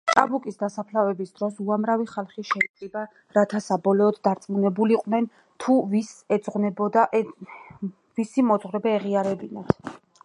ჭაბუკის დასაფლავების დროს უამრავი ხალხი შეიკრიბა რათა საბოლოოდ დარწმუნებულიყვნენ თუ ვისი მოძღვრება ეღიარებინათ.